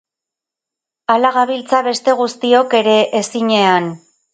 Hala gabiltza beste guztiok ere, ezinean!